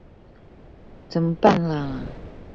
怎麼辦啦